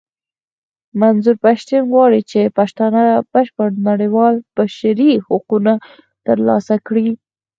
منظور پښتين غواړي چې پښتانه بشپړ نړېوال بشري حقونه ترلاسه کړي.